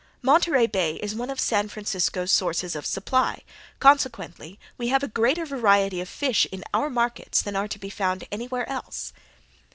Monterey Bay is one of San Francisco's sources of supply consequently we have a greater variety of fish in our markets than are to be found anywhere else.